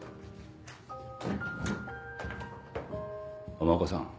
浜岡さん。